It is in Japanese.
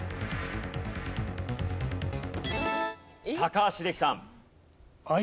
高橋英樹さん。